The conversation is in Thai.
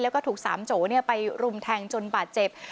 แล้วก็ถูกสามโจไปรุมแทงจนบาดเจ็บ